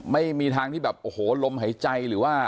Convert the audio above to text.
ไม่มีทางที่แบบโอ้โหลมหายใจหรือว่า